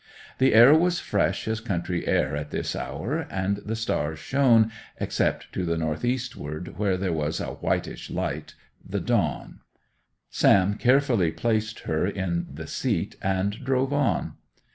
The air was fresh as country air at this hour, and the stars shone, except to the north eastward, where there was a whitish light—the dawn. Sam carefully placed her in the seat, and drove on.